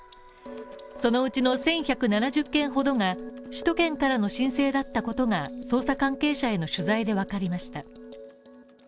そのうちの１１７０件ほどが首都圏からの申請だったことが捜査関係者への取材でわかりました。